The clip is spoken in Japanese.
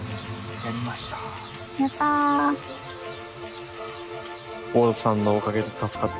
やった！